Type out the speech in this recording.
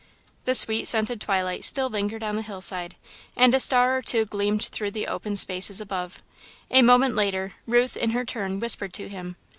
The sweet scented twilight still lingered on the hillside, and a star or two gleamed through the open spaces above. A moment later, Ruth, in her turn, whispered to him.